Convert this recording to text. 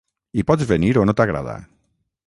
Hi pots venir o no t'agrada?